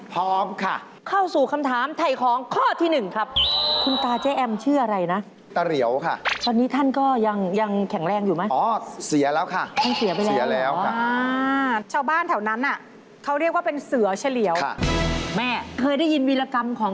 พร้อมไหมจ๊ะเจ๊แอม